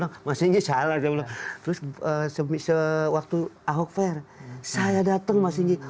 iya mas ingyi salah terus sewaktu ahok fair saya datang mas ingyi